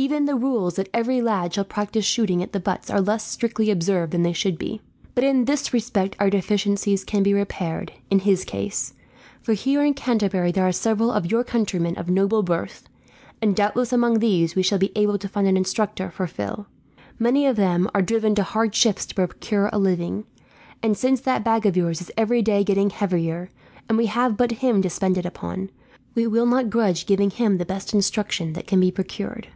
Even the rules that every lad shall practise shooting at the butts are less strictly observed than they should be. But in this respect our deficiencies can be repaired, in his case; for here in Canterbury there are several of your countrymen of noble birth, and doubtless among these we shall be able to find an instructor for Phil. Many of them are driven to hard shifts to procure a living; and since that bag of yours is every day getting heavier, and we have but him to spend it upon, we will not grudge giving him the best instruction that can be procured."